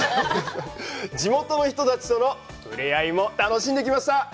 地元の人たちとのふれあいも楽しんできました。